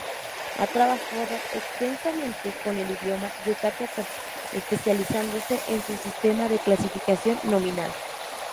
Ha trabajado extensamente con el idioma yucateco, especializándose en su sistema de clasificación nominal.